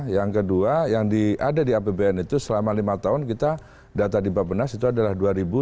yang kedua yang ada di rpjmn itu selama lima tahun kita data di pak penas itu adalah dua dua ratus lima belas